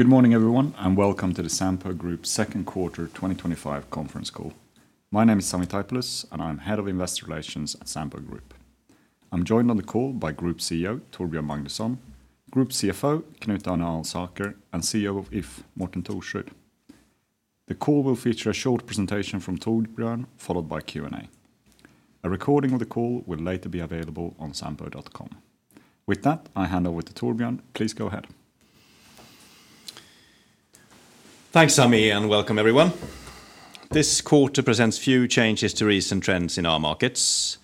Good morning everyone and welcome to the Sampo Group second quarter 2025 conference call. My name is Sami Taipalus and I'm Head of Investor Relations at Sampo Group. I'm joined on the call by Group CEO Torbjörn Magnusson, Group CFO Knut-Arne Alsaker, and CEO of If, Morten Thorsrud. The call will feature a short presentation from Torbjörn followed by Q&A. A recording of the call will later be available on sampo.com. With that, I hand over to Torbjörn. Please go ahead. Thanks Sami and welcome everyone. This quarter presents few changes to recent trends in our markets.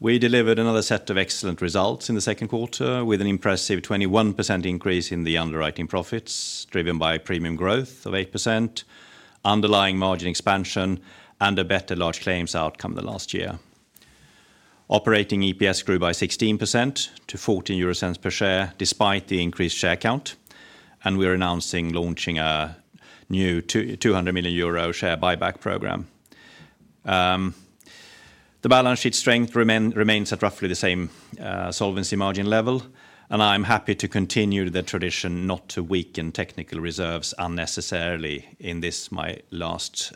We delivered another set of excellent results in the second quarter with an impressive 21% increase in the underwriting profits driven by premium growth of 8%, underlying margin expansion, and a better large claims outcome. The last year operating EPS grew by 16% to 0.14 per share, despite the increased share count, and we're announcing launching a new 200 million euro share buyback program. The balance sheet strength remains at roughly the same solvency margin level, and I'm happy to continue the tradition not to weaken technical reserves unnecessarily in this, my last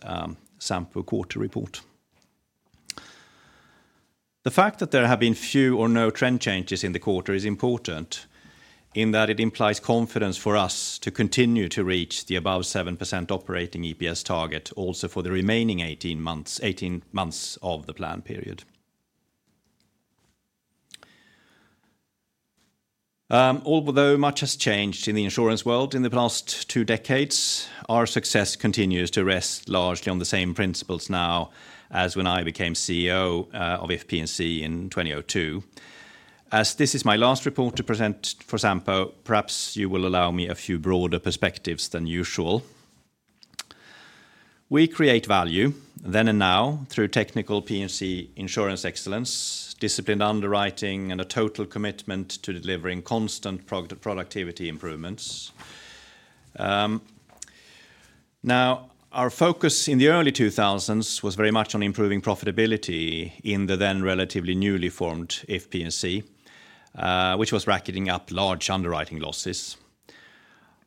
Sampo quarter report. The fact that there have been few or no trend changes in the quarter is important in that it implies confidence for us to continue to reach the above 7% operating EPS target also for the remaining 18 months of the planned period. Although much has changed in the insurance world in the past two decades, our success continues to rest largely on the same principles now as when I became CEO of If P&C in 2002. As this is my last report to present for Sampo, perhaps you will allow me a few broader perspectives than usual. We create value then and now through technical P&C insurance excellence, disciplined underwriting, and a total commitment to delivering constant productivity improvements. Now our focus in the early 2000s was very much on improving profitability in the then relatively newly formed If P&C, which was racking up large underwriting losses.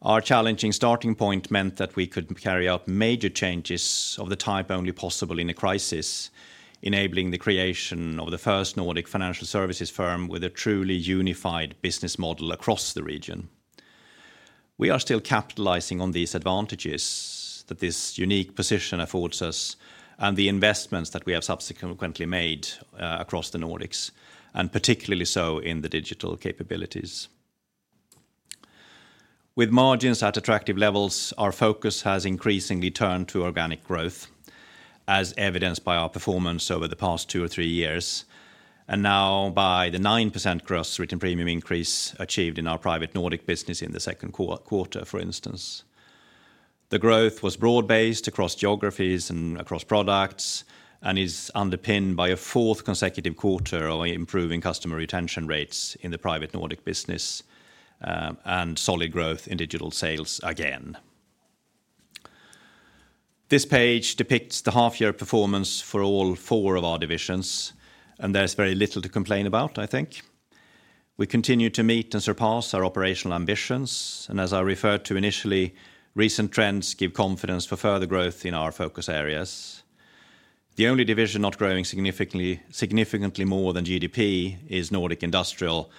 Our challenging starting point meant that we could carry out major changes of the type only possible in a crisis, enabling the creation of the first Nordic financial services firm with a truly unified business model across the region. We are still capitalizing on these advantages that this unique position affords us and the investments that we have subsequently made across the Nordics and particularly so in the digital capabilities. With margins at attractive levels, our focus has increasingly turned to organic growth as evidenced by our performance over the past two or three years and now by the 9% gross written premium increase achieved in our Private Nordic business in the second quarter, for instance. The growth was broad based across geographies and across products and is underpinned by a fourth consecutive quarter of improving customer retention rates in the Private Nordic business and solid growth in digital sales. Again, this page depicts the half year performance for all four of our divisions and there's very little to complain about. I think we continue to meet and surpass our operational ambitions and as I referred to initially, recent trends give confidence for further growth in our focus areas. The only division not growing significantly more than GDP is Nordic Industrial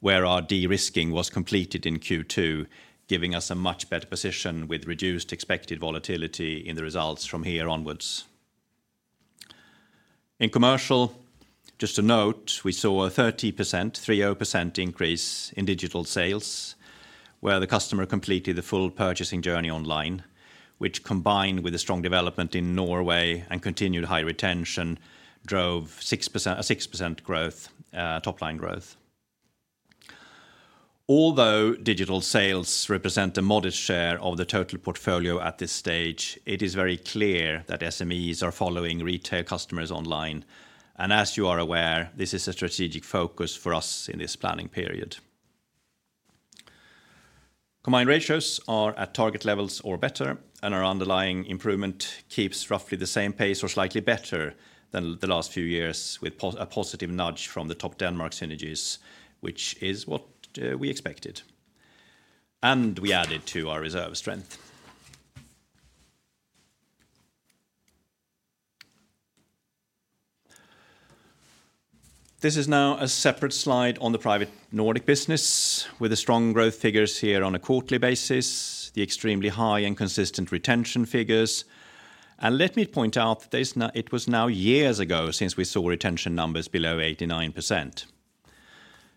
where our de-risking was completed in Q2, giving us a much better position with reduced expected volatility in the results from here onwards. In Commercial, just a note, we saw a 30% increase in digital sales where the customer completed the full purchasing journey online, which combined with the strong development in Norway and continued high retention drove a 6% top line growth. Although digital sales represent a modest share of the total portfolio at this stage, it is very clear that SMEs are following retail customers online and, as you are aware, this is a strategic focus for us in this planning period. Combined ratios are at target levels or better and our underlying improvement keeps roughly the same pace or slightly better than the last few years, with a positive nudge from the Topdanmark synergies, which is what we expected, and we added to our reserve strength. This is now a separate slide on the Private Nordic business with the strong growth figures here on a quarterly basis, the extremely high and consistent retention figures, and let me point out that it was now years ago since we saw retention numbers below 89%.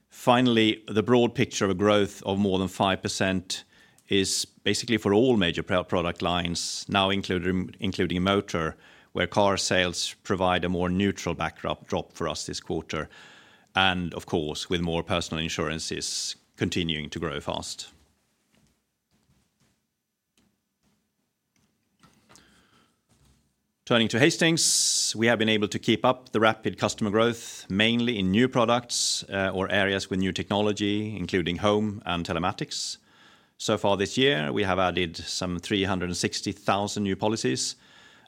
Finally, the broad picture of a growth of more than 5% is basically for all major product lines now, including motor, where car sales provide a more neutral backdrop for us this quarter and of course with more personal insurances continuing to grow fast. Turning to Hastings, we have been able to keep up the rapid customer growth mainly in new products or areas with new technology including home and telematics. So far this year we have added some 360,000 new policies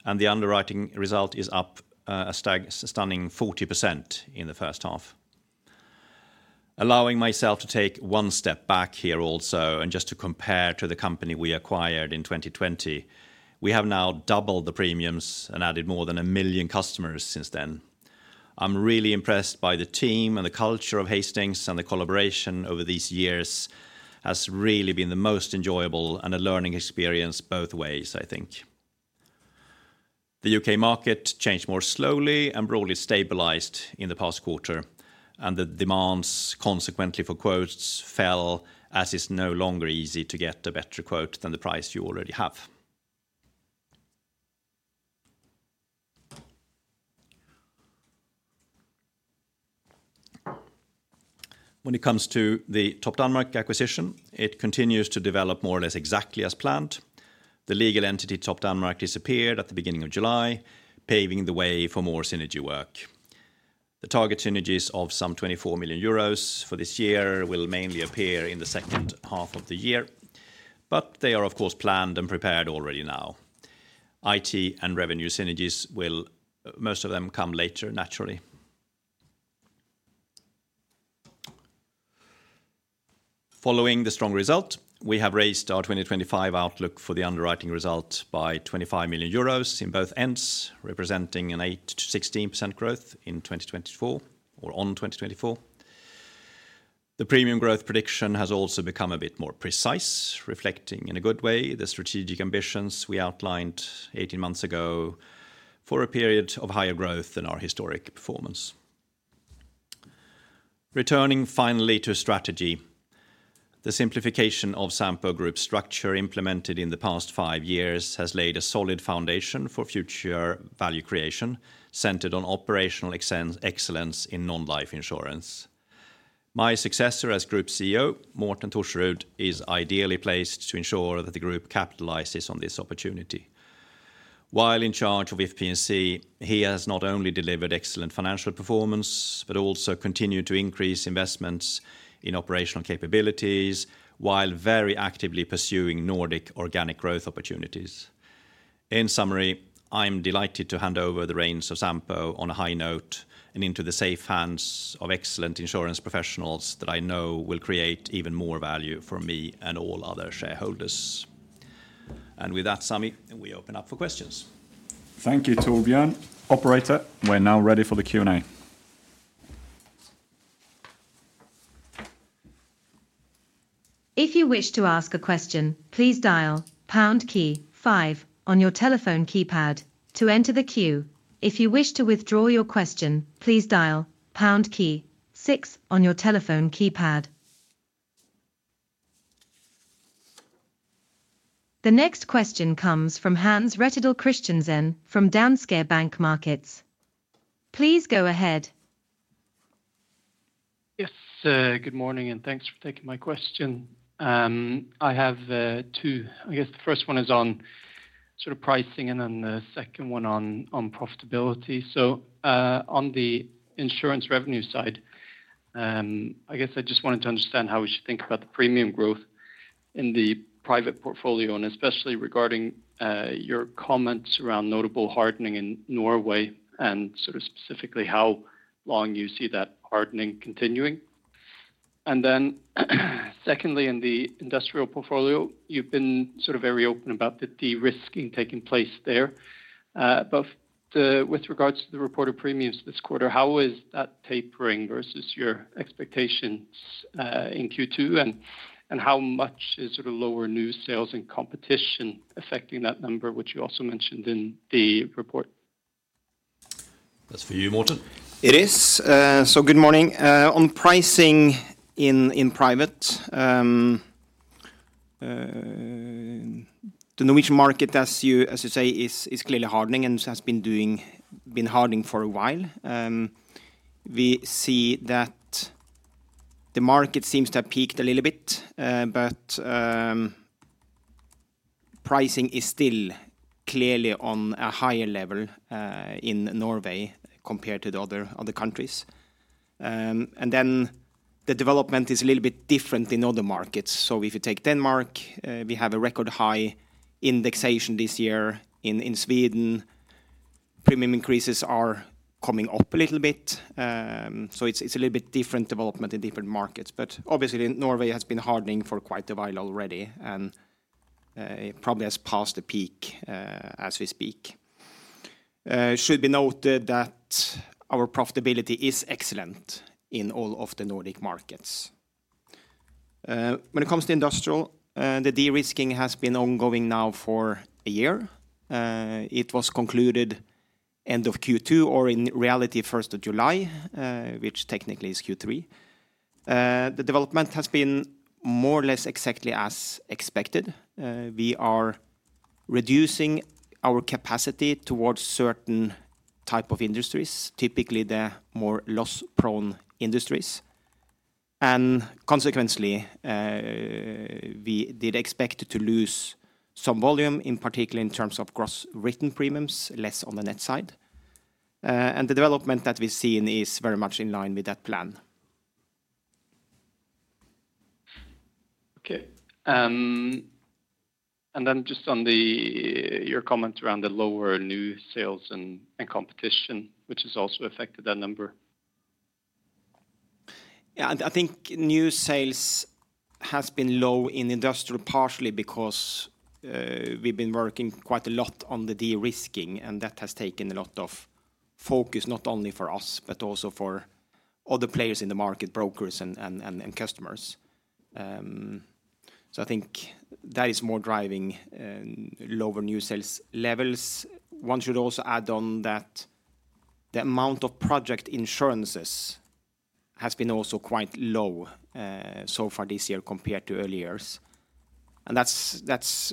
and the underwriting result is up a stunning 40% in the first half. Allowing myself to take one step back here also and just to compare to the company we acquired in 2020, we have now doubled the premiums and added more than a million customers since then. I'm really impressed by the team and the culture of Hastings and the collaboration over these years has really been the most enjoyable and the learning experience both ways. I think the U.K. market changed more slowly and broadly stabilized in the past quarter, and the demands consequently for quotes fell as it's no longer easy to get a better quote than the price you already have. When it comes to the Topdanmark acquisition, it continues to develop more or less exactly as planned. The legal entity Topdanmark disappeared at the beginning of July, paving the way for more synergy work. The target synergies of some 24 million euros for this year will mainly appear in the second half of the year, but they are of course planned and prepared already. Now IT and revenue synergies, most of them will come later. Naturally, following the strong result, we have raised our 2025 outlook for the underwriting result by 25 million euros in both ends, representing an 8%-16% growth in 2024 or on 2024. The premium growth prediction has also become a bit more precise, reflecting in a good way the strategic ambitions we outlined 18 months ago for a period of higher growth than our historic performance. Returning finally to strategy, the simplification of Sampo Group structure implemented in the past five years has laid a solid foundation for future value creation centered on operational excellence in non-life insurance. My successor as Group CEO, Morten Thorsrud, is ideally placed to ensure that the group capitalizes on this opportunity. While in charge of If P&C, he has not only delivered excellent financial performance, but also continued to increase investments in operational capabilities while very actively pursuing Nordic organic growth opportunities. In summary, I'm delighted to hand over the reins of Sampo on a high note and into the safe hands of excellent insurance professionals that I know will create even more value for me and all other shareholders. With that, Sami, we open up for questions. Thank you. Torbjörn, Operator, we're now ready for the Q&A. If you wish to ask a question, please dial pound key on your telephone keypad to enter the queue. If you wish to withdraw your question, please dial pound key six on your telephone keypad. The next question comes from Hans Rettedal Christiansen from Danske Bank Markets. Please go ahead. Yes, good morning and thanks for taking my question. I have two. I guess the first one is on sort of pricing and then the second one on profitability. On the insurance revenue side, I guess I just wanted to understand how we should think about the premium growth in the Private portfolio, and especially regarding your comments around notable hardening in Norway, and specifically how long you see that hardening continuing. Secondly, in the Industrial portfolio, you've been very open about the de-risking taking place there. With regards to the reported premiums this quarter, how is that tapering versus your expectations in Q2? How much is lower new sales and competition affecting that number, which you also mentioned in the report? That's for you, Morten. It is. Good morning on pricing in Private. The Norwegian market, as you say, is clearly hardening and has been hardening for a while. We see that the market seems to have peaked a little bit, but pricing is still clearly on a higher level in Norway compared to the other countries. The development is a little bit different in other markets. If you take Denmark, we have a record high indexation this year. In Sweden, premium increases are coming up a little bit. It's a little bit different development in different markets. Obviously, Norway has been hardening for quite a while already and it probably has passed the peak as we speak. It should be noted that our profitability is excellent in all of the Nordic markets. When it comes to Industrial, the de-risking has been ongoing now for a year. It was concluded end of Q2 or in reality 1st of July, which technically is Q3. The development has been more or less exactly as expected. We are reducing our capacity towards certain types of industries, typically the more loss-prone industries, and consequently we did expect to lose some volume, in particular in terms of gross written premiums, less on the net side. The development that we've seen is very much in line with that plan. Okay, just on your comment around the lower new sales and competition, which has also affected that number. Yeah, I think new sales has been low in Industrial partially because we've been working quite a lot on the de-risking, and that has taken a lot of focus not only for us but also for other players in the market, brokers, and customers. I think that is more driving lower new sales levels. One should also add on that the amount of project insurances has been also quite low so far this year compared to earlier. That's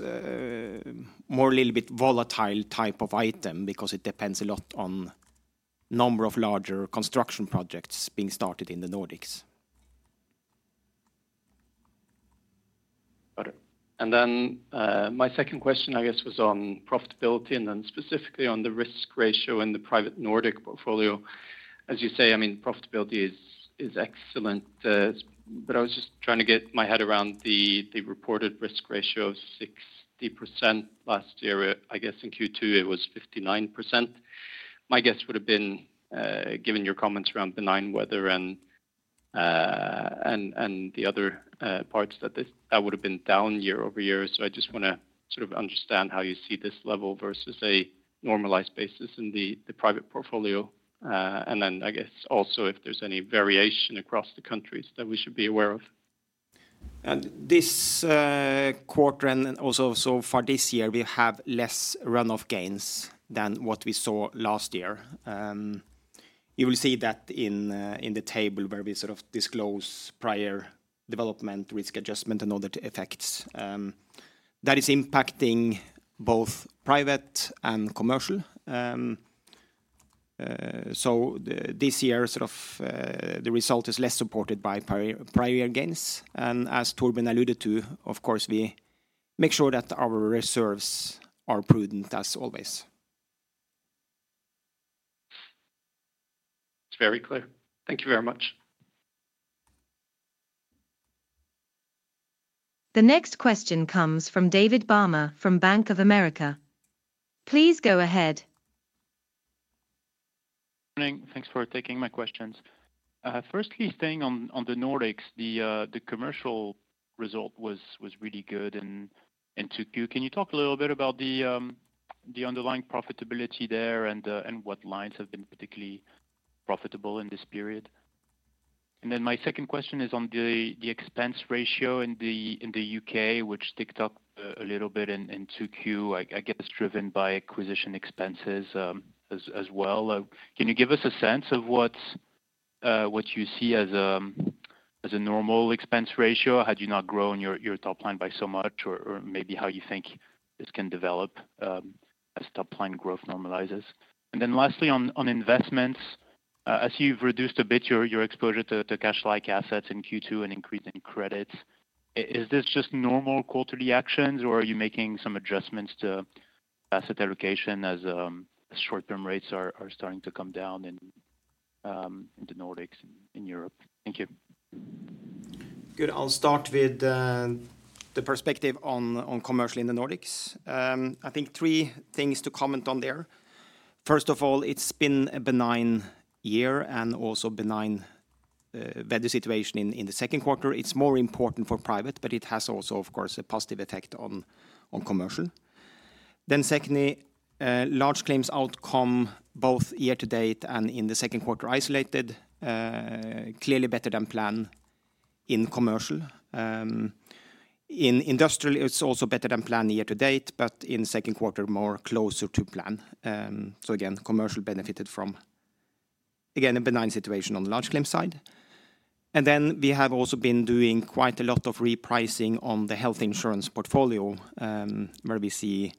more a little bit volatile type of item because it depends a lot on number of larger construction projects being started in the Nordics. My second question was on profitability and specifically on the risk ratio in the Private Nordic portfolio. Profitability is excellent. I was just trying to get my head around the reported risk ratio of 60% last year. In Q2 it was 59%. My guess would have been, given your comments around benign weather and the other parts, that this would have been down year-over-year. I just want to understand how you see this level versus a normalized basis in the Private portfolio. Also, if there's any variation across the countries that we should be aware of. This quarter and also so far this year, we have less runoff gains than what we saw last year. You will see that in the table where we sort of disclose prior development, risk adjustment, and other effects that is impacting both Private and Commercial. This year, the result is less supported by prior year gains. As Torbjörn alluded to, of course, we make sure that our reserves are prudent as always. It's very clear. Thank you very much. The next question comes from David Barma from Bank of America. Please go ahead. Thanks for taking my questions. Firstly, staying on the Nordics, the Commercial result was really good in 2Q. Can you talk a little bit about the underlying profitability there and what lines have been particularly profitable in this period? My second question is on the expense ratio in the U.K., which ticked up a little bit in 2Q, I guess driven by acquisition expenses as well. Can you give us a sense of what you see as a normal expense ratio had you not grown your top line by so much, or maybe how you think it can develop as top line growth normalizes? Lastly, on investments, as you've reduced a bit your exposure to cash-like assets in Q2 and increased credits, is this just normal quarterly actions or are you making some adjustments to asset allocation as short-term rates are starting to come down in the Nordics and Europe? Thank you. I'll start with the perspective on Commercial in the Nordics. I think three things to comment on there. First of all, it's been a benign year and also benign weather situation in the second quarter. It's more important for Private, but it has also of course a positive effect on Commercial. Secondly, large claims outcome both year to date and in the second quarter isolated clearly better than plan in Commercial. In Industrial it's also better than plan year to date, but in the second quarter more closer to plan. Commercial benefited from a benign situation on the large claim side. We have also been doing quite a lot of repricing on the health insurance portfolio where we see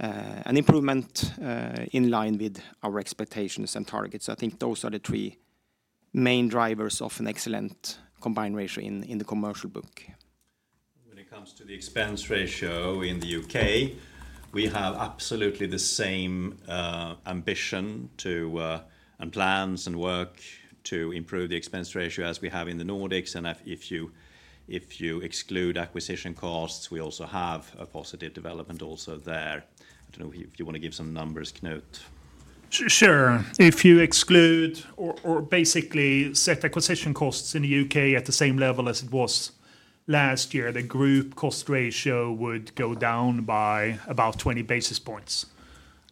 an improvement in line with our expectations and targets. I think those are the three main drivers of an excellent combined ratio in the Commercial book. When it comes to the expense ratio in the U.K., we have absolutely the same ambition and plans and work to improve the expense ratio as we have in the Nordics. If you exclude acquisition costs, we also have a positive development also there. I don't know if you want to give some numbers, Knut. Sure. If you exclude or basically set acquisition costs in the U.K. at the same level as it was last year, the group cost ratio would go down by about 20 basis points,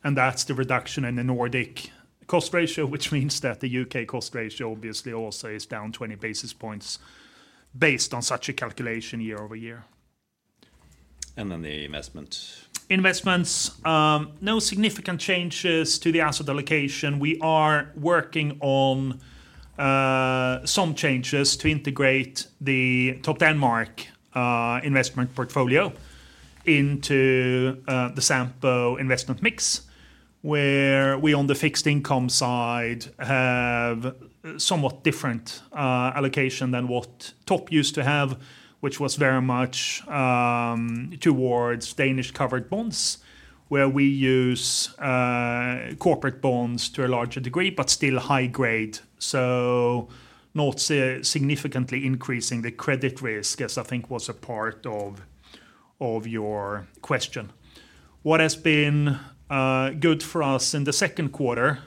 and that's the reduction in the Nordic cost ratio, which means that the U.K. cost ratio obviously also is down 20 basis points based on such a calculation year-over-year. And then the investments. Investments. No significant changes to the asset allocation. We are working on some changes to integrate the Topdanmark investment portfolio into the Sampo investment mix where we on the fixed income side have somewhat different allocation than what Top used to have, which was very much towards Danish covered bonds, where we use corporate bonds to a larger degree but still high grade. Not significantly increasing the credit risk as I think was a part of your question. What has been good for us in the second quarter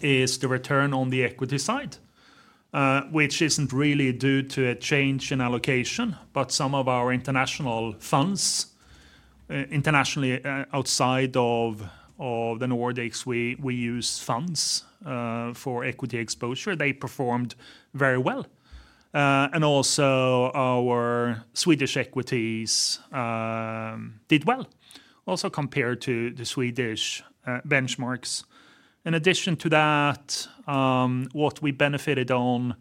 is the return on the equity side, which isn't really due to a change in allocation, but some of our international funds internationally, outside of the Nordics, we use funds for equity exposure. They performed very well. Also our Swedish equities did well compared to the Swedish benchmarks. In addition to that, what we benefited on,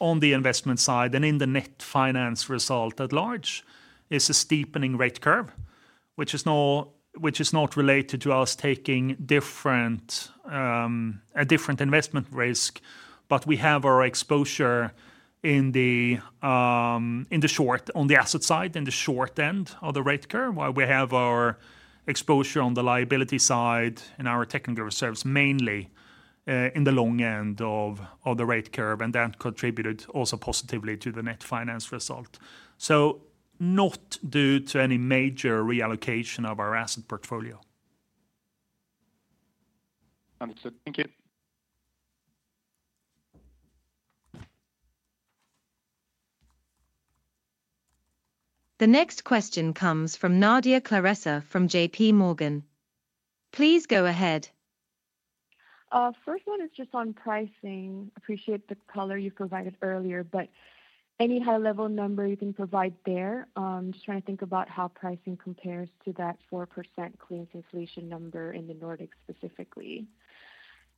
on the investment side and in the net finance result at large is a steepening rate curve which is not related to us taking a different investment risk. We have our exposure on the asset side in the short end of the rate curve, while we have our exposure on the liability side and our technical reserves mainly in the long end of the rate curve. That contributed also positively to the net finance result. Not due to any major reallocation of our asset portfolio. Understood, thank you. The next question comes from Nadia Claressa from JPMorgan. Please go ahead. First one is just on pricing. Appreciate the color you provided earlier, but any high level number you can provide there? Just trying to think about how pricing compares to that 4% clearance inflation number in the Nordics specifically.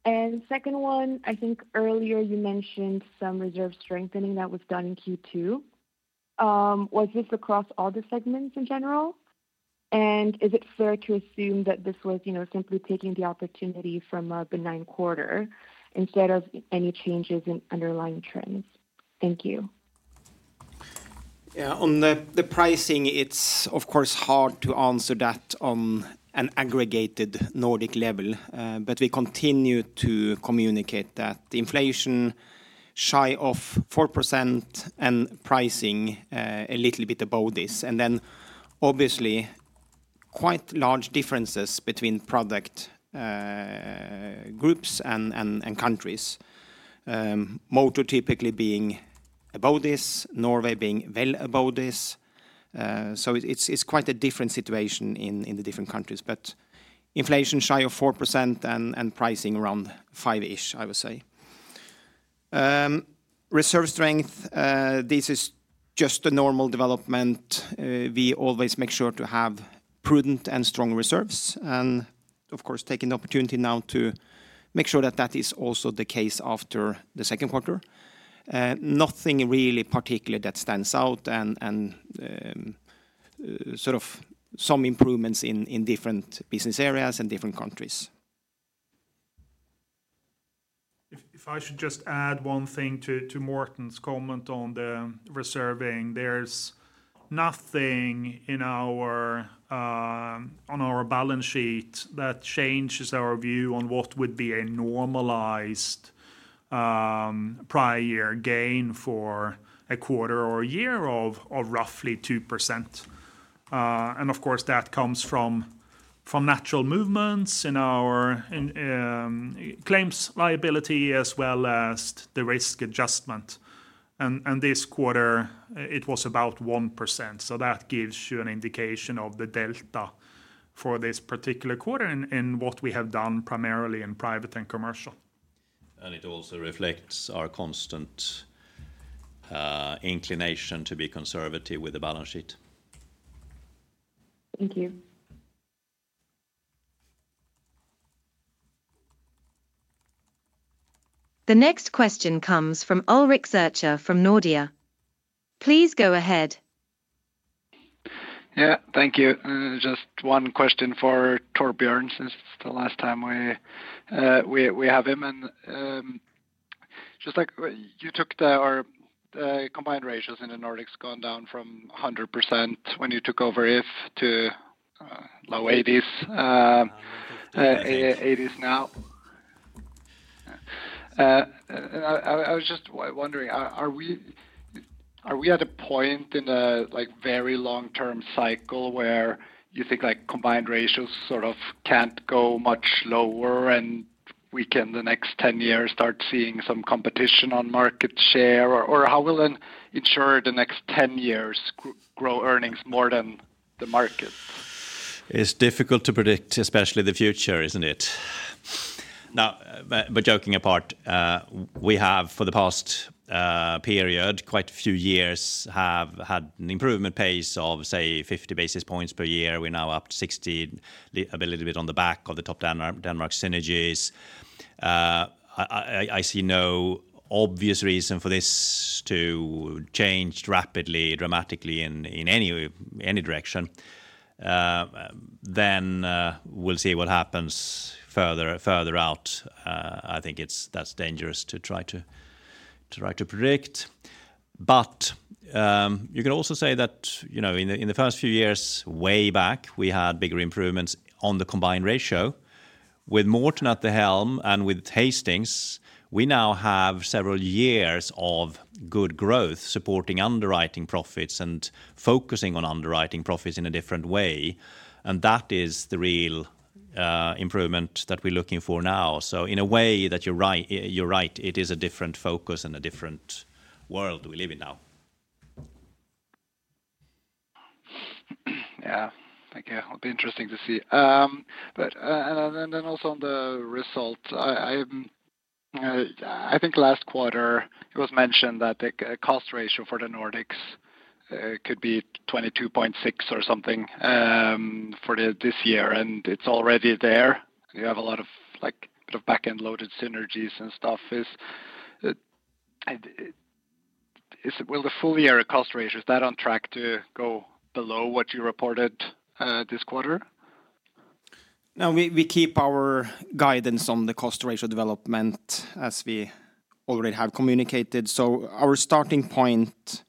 Second one, I think earlier you mentioned some reserve strengthening that was done in Q2. Was this across all the segments in general, and is it fair to assume that this was simply taking the opportunity from a benign quarter instead of any changes in underlying trends? Thank you. On the pricing, it's of course hard to answer that on an aggregated Nordic level, but we continue to communicate that inflation shy of 4% and pricing a little bit above this, and then obviously quite large differences between product groups and countries. Moto typically being above this, Norway being well above this. It's quite a different situation in the different countries, but inflation shy of 4% and pricing around 5%. I would say reserve strength, this is just a normal development. We always make sure to have prudent and strong reserves, and of course taking the opportunity now to make sure that that is also the case after the second quarter. Nothing really particular that stands out and sort of some improvements in different business areas and different countries. If I should just add one thing to Morten's comment on the reserving. There's nothing on our balance sheet that changes our view on what would be a normalized prior year gain for a quarter or year of roughly 2%. Of course, that comes from natural movements in our claims liability as well as the risk adjustment. This quarter it was about 1%. That gives you an indication of the delta for this particular quarter and what we have done primarily in Private and Commercial. It also reflects our constant inclination to be conservative with the balance sheet. Thank you. The next question comes from Ulrik Zürcher from Nordea. Please go ahead. Yeah, thank you. Just one question for Torbjörn since the last time we have him, and just like you took the combined ratios in the Nordics down from 100% when you took over If to low 80s now. I was just wondering, are we at a point in a very long-term cycle where you think combined ratios sort of can't go much lower and we can, the next 10 years, start seeing some competition on market share or how will insurers the next 10 years grow earnings more than the market? It's difficult to predict, especially the future, isn't it now? Joking apart, we have for the past period, quite a few years, had an improvement pace of, say, 50 basis points per year. We're now up 60, a little bit on the back of the Topdanmark synergies. I see no obvious reason for this to change rapidly or dramatically in any direction. We'll see what happens further out. I think that's dangerous to try to predict. You can also say that in the first few years way back, we had bigger improvements on the combined ratio. With Morten at the helm and with Hastings, we now have several years of good growth supporting underwriting profits and focusing on underwriting profits in a different way. That is the real improvement that we're looking for now. In a way, you're right, it is a different focus and a different world we live in now. Thank you. It'll be interesting to see then also on the result. I think last quarter it was mentioned that the cost ratio for the Nordics could be 22.6% or something for this year, and it's already there. You have a lot of back end loaded synergies and stuff. Will the full year cost ratio, is that on track to go below what you reported this quarter? Now we keep our guidance on the cost ratio development as we already have communicated. Our starting point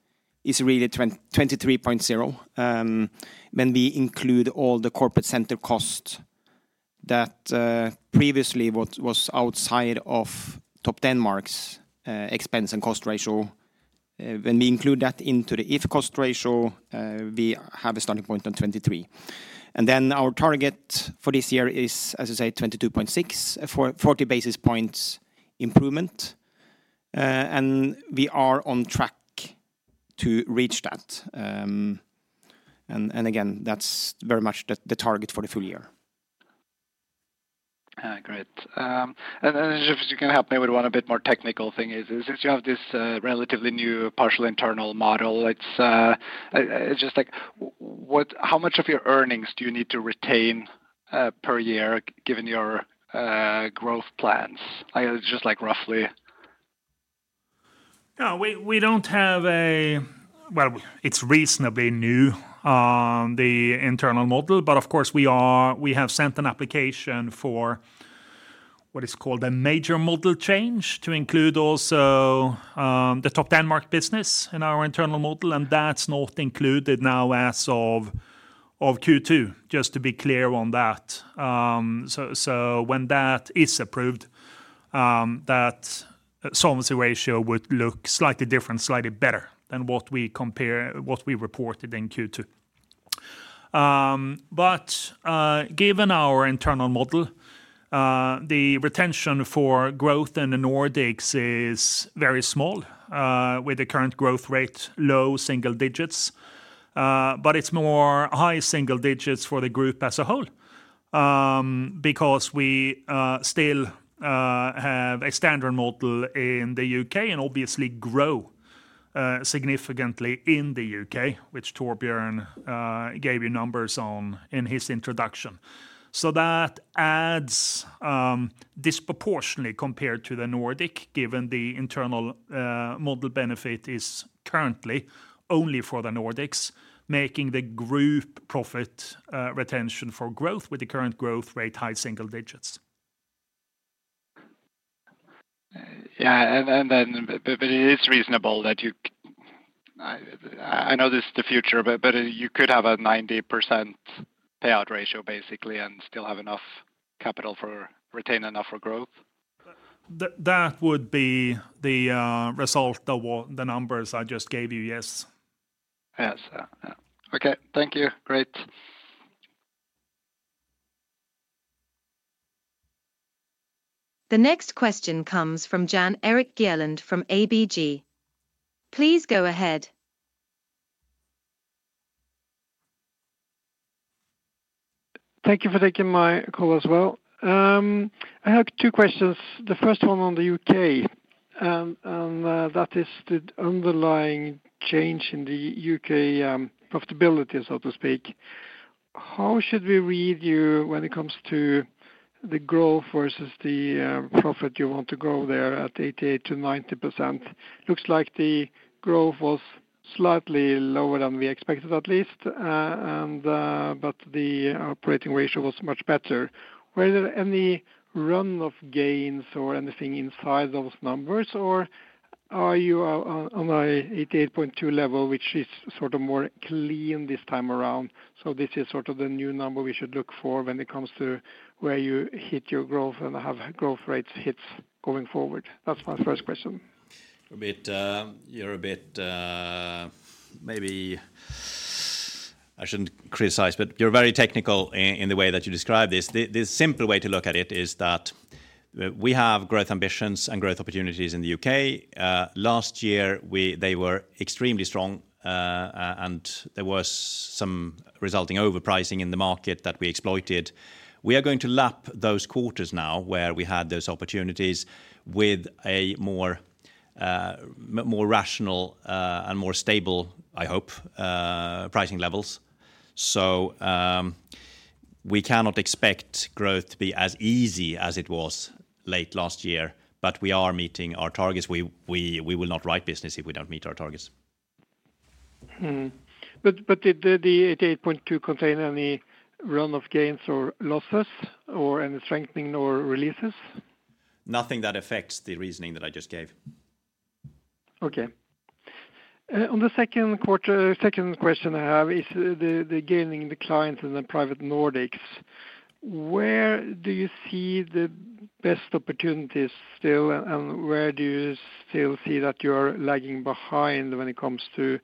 is really 23.0% when we include all the corporate center costs that previously were outside of Topdanmark's expense and cost ratio. When we include that into the If cost ratio, we have a starting point on 23%, and our target for this year is, as I say, 22.6%, 40 basis points improvement, and we are on track to reach that. That is very much the target for the full year. Great. If you can help me with one, a bit more technical thing, since you have this relatively new partial internal model, it's just like how much of your earnings do you need to retain per year given your growth plans? Just like roughly. We don't have a, it's reasonably new, the internal model, but of course we have sent an application for what is called a major model change to include also the Topdanmark business in our internal model. That's not included now as of Q2, just to be clear on that. When that is approved, that solvency ratio would look slightly different, slightly better than what we reported in Q2. Given our internal model, the retention for growth in the Nordics is very small with the current growth rate low single digits. It's more high single digits for the group as a whole because we still have a standard model in the U.K. and obviously grow significantly in the U.K., which Torbjörn gave you numbers on in his introduction. That adds disproportionately compared to the Nordics. Given the internal model, benefit is currently only for the Nordics, making the group profit retention for growth with the current growth rate high single digits. Yeah, it is reasonable that you, I know this is the future, but you could have a 90% payout ratio basically and still have enough capital to retain enough for growth. That would be the result of the numbers I just gave you. Yes. Yes, okay, thank you. Great. The next question comes from Jan Erik Gjerland from ABG. Please go ahead. Thank you for taking my call as well. I have two questions. The first one on the U.K. and that is the underlying change in the U.K. profitability, so to speak. How should we read you when it comes to the growth versus the profit you want to go there at 88%-90%? It looks like the growth was slightly lower than we expected at least, but the operating ratio was much better. Were there any run-off gains or anything inside those numbers? Or are you on a 88.2% level, which is sort of more clean this time around? Is this sort of the new number we should look for when it comes to where you hit your growth and have growth rates hit going forward? That's my first question. Maybe I shouldn't criticize, but you're very technical in the way that you describe this. The simple way to look at it is that we have growth ambitions and growth opportunities. In the U.K. last year they were extremely strong, and there was some resulting overpricing in the market that we exploited. We are going to lap those quarters now where we had those opportunities with a more rational and more stable, I hope, pricing levels. We cannot expect growth to be as easy as it was late last year. We are meeting our targets. We will not write business if we don't meet our targets. Did the 88.2% contain any runoff gains or losses, or any strengthening or releases? Nothing that affects the reasoning that I just gave. Okay, on the second question I have is the gaining the clients in the Private Nordics, where do you see the best opportunities still and where do you still see that you are lagging behind when it comes to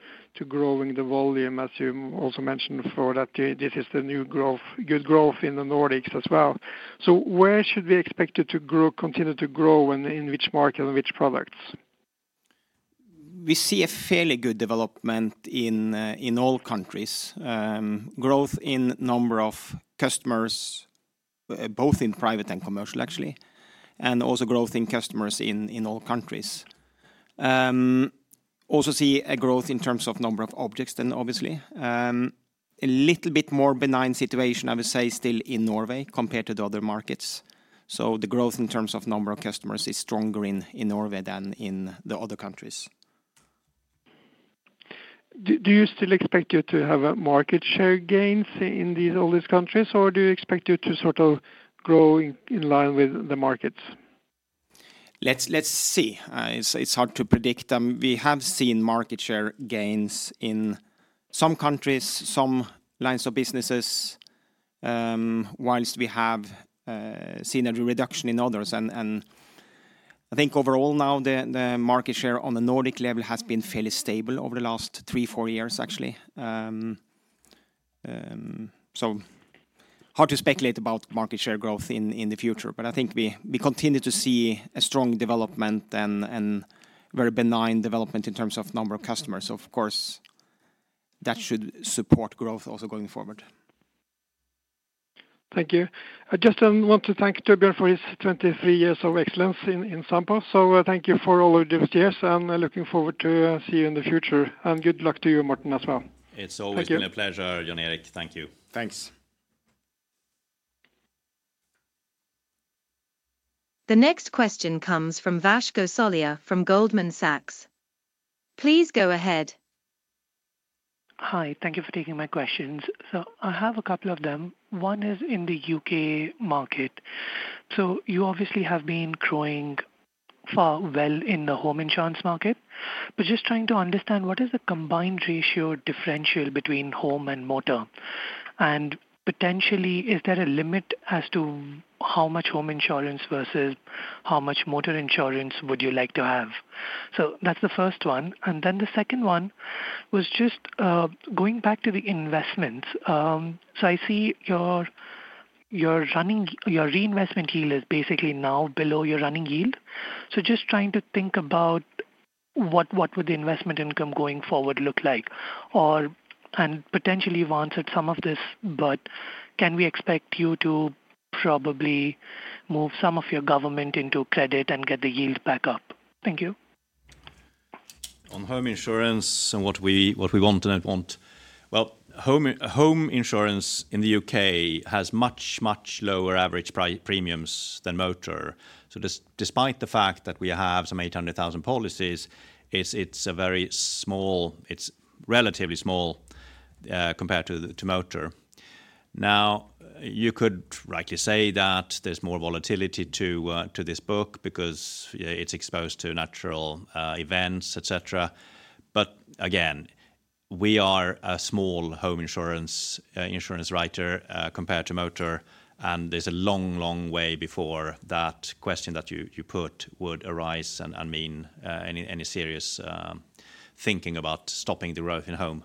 growing the volume, as you also mentioned that this is the new growth, good growth in the Nordics as well. Where should we expect it to grow, continue to grow and in which markets, which products. We see a fairly good development in all countries, growth in number of customers, both in Private and Commercial actually, and also growth in customers in all countries. Also see a growth in terms of number of objects. Obviously, a little bit more benign situation I would say still in Norway compared to the other markets. The growth in terms of number of customers is stronger in Norway than in the other countries. Do you still expect it to have market share gains in all these countries, or do you expect you to sort of grow in line with the market? Let's see. It's hard to predict. We have seen market share gains in some countries, some lines of businesses, whilst we have seen a reduction in others. I think overall now the market share on the Nordic level has been fairly stable over the last three, four years actually. Hard to speculate about market share growth in the future, but I think we continue to see a strong development and very benign development in terms of number of customers, of course, that should support growth also going forward. Thank you. I just want to thank Torbjörn for his 23 years of excellence in Sampo. Thank you for all your advice, and I am looking forward to seeing you in the future. Good luck to you, Morten, as well. It's always been a pleasure. Jan Erik, thank you. Thanks. The next question comes from Vash Gosalia from Goldman Sachs. Please go ahead. Hi. Thank you for taking my questions. I have a couple of them. One is in the U.K. market. You obviously have been growing far well in the home insurance market, but just trying to understand what is the combined ratio differential between home and motor and potentially is there a limit as to how much home insurance versus how much motor insurance would you like to have? That's the first one. The second one was just going back to the investments. I see your reinvestment yield is basically now below your running yield. Just trying to think about what would the investment income going forward look like and potentially once at some of this. Can we expect you to probably move some of your government into credit and get the yield back up? Thank you. On home insurance and what we want. Home insurance in the U.K. has much, much lower average premiums than motor. Despite the fact that we have some 800,000 policies, it's relatively small compared to motor. You could rightly say that there's more volatility to this book because it's exposed to natural event, but again, we are a small home insurance writer compared to motor, and there's a long, long way before that question that you put would arise and mean any serious thinking about stopping the growth in home.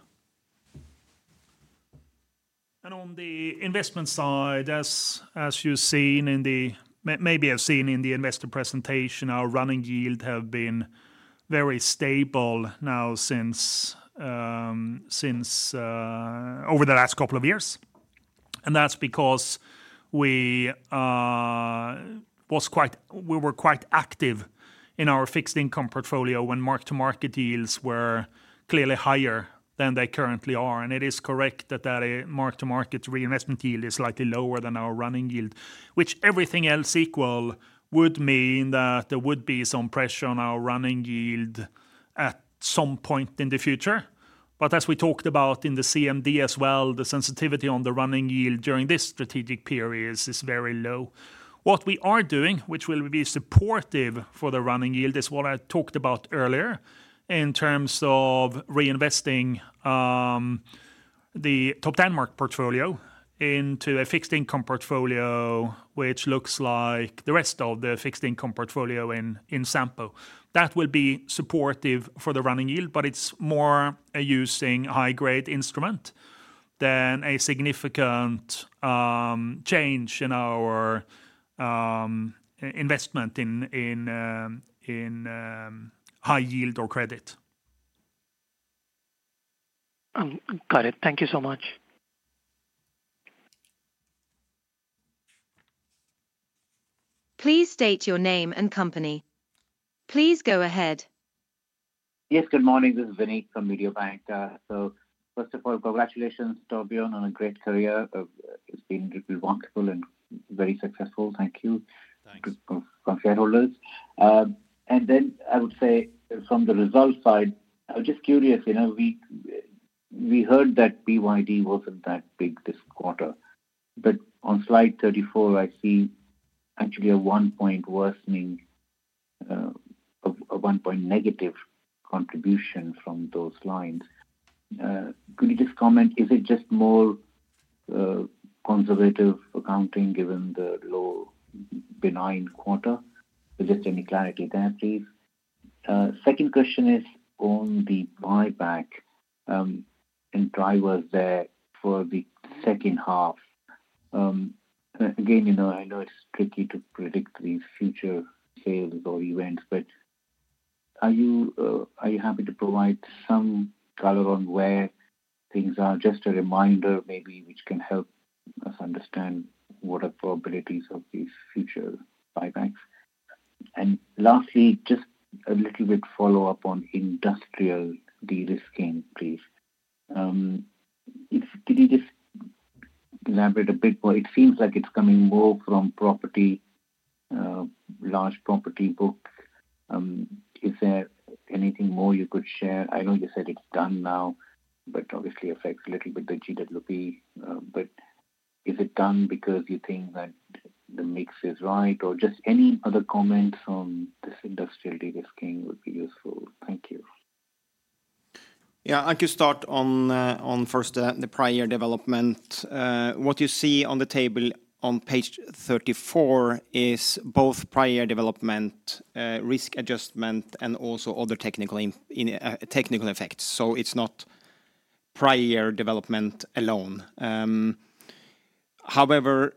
On the investment side, as you may have seen in the investor presentation, our running yield has been very stable now over the last couple of years. That's because we were quite active in our fixed income portfolio when mark-to-market yields were clearly higher than they currently are. It is correct that the mark-to-market reinvestment yield is slightly lower than our running yield, which, everything else equal, would mean that there would be some pressure on our running yield at some point in the future. As we talked about in the CMD as well, the sensitivity on the running yield during this strategic period is very low. What we are doing, which will be supportive for the running yield, is what I talked about earlier in terms of reinvesting the Topdanmark portfolio into a fixed income portfolio, which looks like the rest of the fixed income portfolio in Sampo. That will be supportive for the running yield. It's more using high grade instruments than a significant change in our investment in high yield or credit. Got it. Thank you so much. Please state your name and company, please go ahead. Yes, good morning, this is Vinit from Mediobanca. First of all, congratulations to Torbjörn on a great career. It's been wonderful and very successful. Thank you. Thank you. From the result side, I was just curious, you know we heard that BYD wasn't that big this quarter, but on slide 34 I see actually a one point worsening, a one point negative contribution from those lines. Could you just comment? Is it just more conservative accounting given the lower benign quarter? Any clarity there, please? Second question is on the buyback and driver there for the second half. I know it's tricky to predict these future sales or events, but are you happy to provide some color on where things are? Just a reminder maybe which can help us understand what are probabilities of these future buybacks. Lastly, just a little bit follow up on Industrial de-risking, please. Could you elaborate a bit more? It seems like it's coming more from property, large property book. Is there anything more you could share? I know you said it's done now, but obviously affect a little bit the gross written premiums. Is it done because you think that the mix is right or any other comments on this Industrial de-risking would be useful. Yeah, I could start on first the prior year development. What you see on the table on page 34 is both prior development risk adjustment and also other technical effects. It's not prior year development alone. However,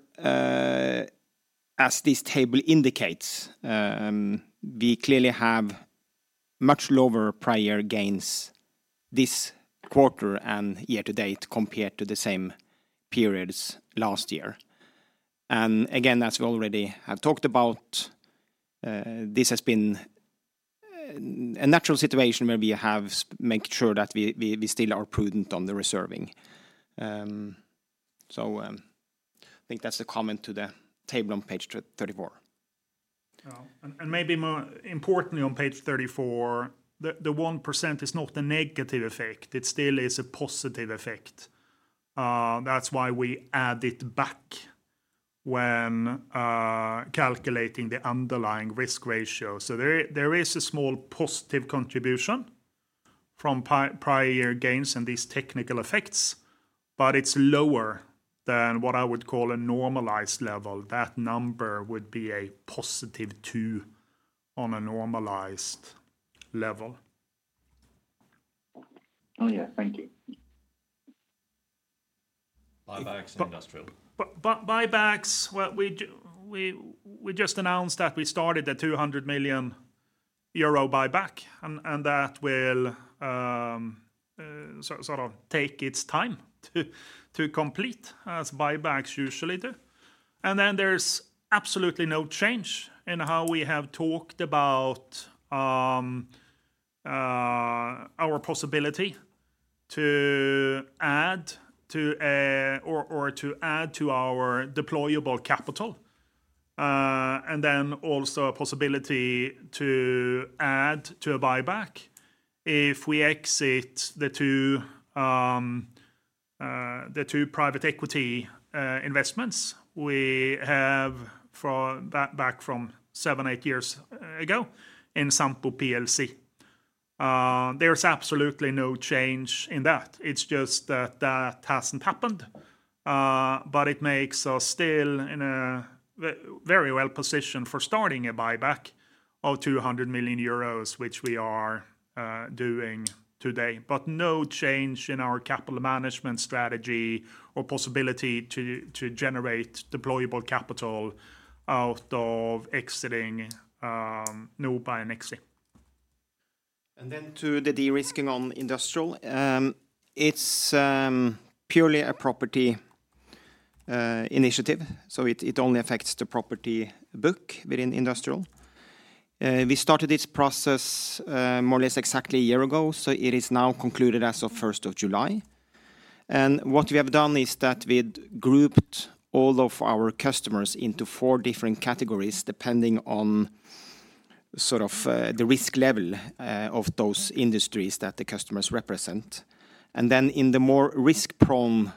as this table indicates, we clearly have much lower prior gains this quarter and year to date compared to the same periods last year. As we already had talked about, this has been a natural situation where we have made sure that we still are prudent on the reserving. I think that's the comment to the table on page 34. More importantly, on page 34, the 1% is not a negative effect, it still is a positive effect. That's why we add it back when calculating the underlying risk ratio. There is a small positive contribution from prior year gains and these technical effects, but it's lower than what I would call a normalized level. That number would be a positive 2% on a normalized level. Oh yeah, thank you. Buybacks industry. Buybacks, we just announced that we started the 200 million euro buyback, and that will sort of take its time to complete as buybacks usually do. There is absolutely no change in how we have talked about our possibility to add to or to add to our deployable capital, and then also a possibility to add to a buyback if we exit the two private equity investments we have back from seven, eight years ago in Sampo plc. There is absolutely no change in that. It's just that that hasn't happened, but it makes us still very well positioned for starting a buyback of 200 million euros, which we are doing today. No change in our capital management strategy or possibility to generate deployable capital out of exiting new by an exit. To the de-risking on Industrial. It's purely a property initiative, so it only affects the property book within Industrial. We started this process more or less exactly a year ago, so it is now concluded as of 1st of July. What we have done is that we grouped all of our customers into four different categories depending on the risk level of those industries that the customers represent. In the more risk-prone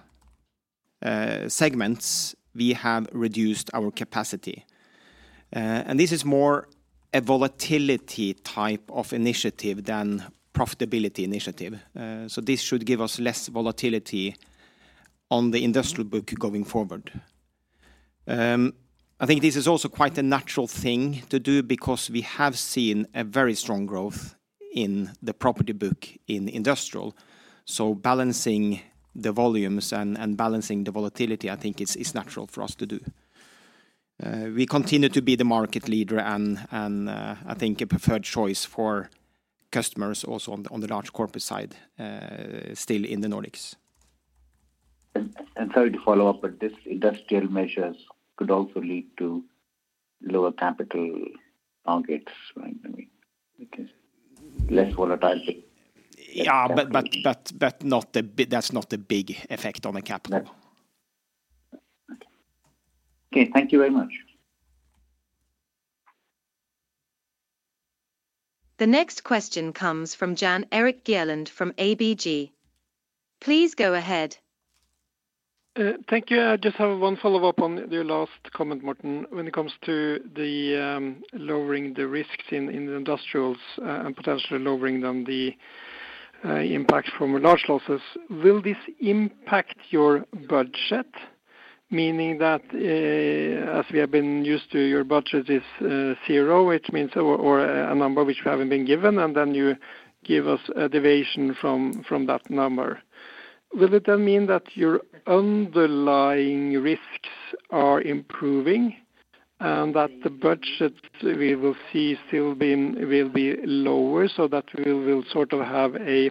segments, we have reduced our capacity. This is more a volatility type of initiative than a profitability initiative. This should give us less volatility on the Industrial book going forward. I think this is also quite a natural thing to do because we have seen very strong growth in the property book in Industrial. Balancing the volumes and balancing the volatility I think is natural for us to do. We continue to be the market leader and I think a preferred choice for customers, also on the large corpus side still in the Nordics. Sorry to follow up, but these Industrial measures could also lead to lower capital targets, less volatile. Yeah, that's not the big effect on the capital. Okay, thank you very much. The next question comes from Jan Erik Gjerland from ABG, please go ahead. Thank you. I just have one follow-up on your last comment, Martin. When it comes to lowering the risks in the Industrials and potentially lowering down the impacts from large losses, will this impact your budget? Meaning that as we have been used to, your budget is zero, which means, or a number which we haven't been given, and then you give us a deviation from that number. Will it then mean that your underlying risks are improving and that the budget we will see will be lower so that we will sort of have an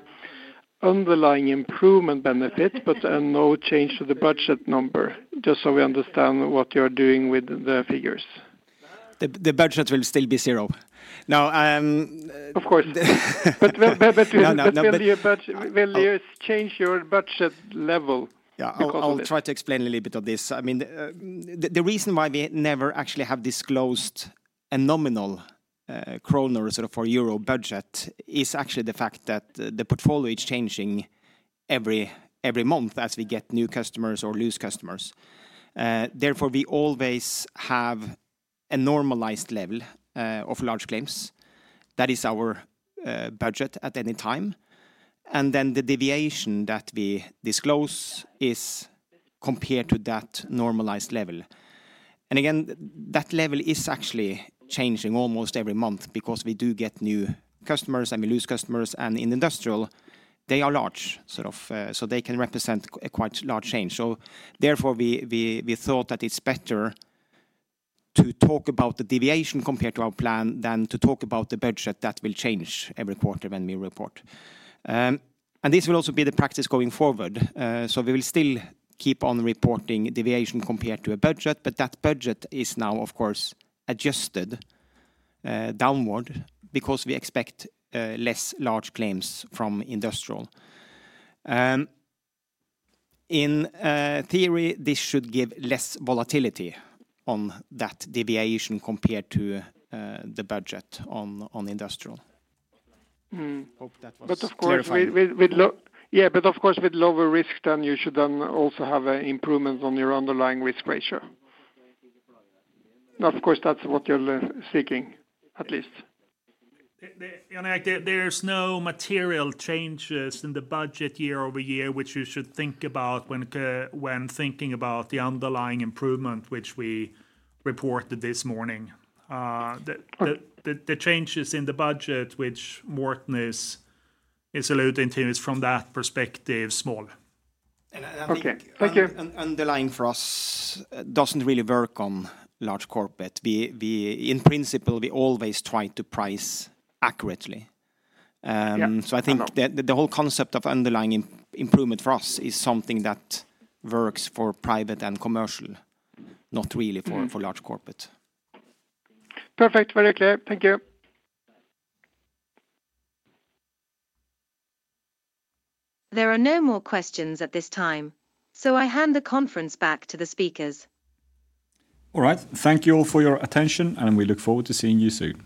underlying improvement benefit but no change to the budget number? Just so we understand what you are doing with the figures. The budget will still be zero. Now, Of course. Will you change your budget level? Yeah, I'll try to explain a little bit of this. I mean, the reason why we never actually have disclosed a nominal Kronos or Euro budget is actually the fact that the portfolio is changing every month as we get new customers or lose customers. Therefore, we always have a normalized level of large claims, that is our budget at any time. The deviation that we disclose is compared to that normalized level. That level is actually changing almost every month because we do get new customers and we lose customers. In Industrial, they are large, so they can represent quite large change. Therefore, we thought that it's better to talk about the deviation compared to our plan than to talk about the budget that will change every quarter when we report. This will also be the practice going forward. We will still keep on reporting deviation compared to a budget. That budget is now of course adjusted downward because we expect less large claims from Industrial. In theory, this should give less volatility on that deviation compared to the budget on Industrial. Hope that was. Yeah, of course with lower risk, you should also have improvements on your underlying risk ratio. Of course that's what you're seeking, at least. There's no material changes in the budget year-over-year, which you should think about when thinking about the underlying improvement which we reported this morning. The changes in the budget which Morten is alluding to is, from that perspective, small. Thank you. Underlying for us doesn't really work on large corporate. In principle, we always try to price accurately. I think the whole concept of underlying improvement for us is something that works for Private and Commercial, not really for large corporate. Perfect. Okay, thank you. There are no more questions at this time, so I hand the conference back to the speakers. All right, thank you all for your attention, and we look forward to seeing you soon.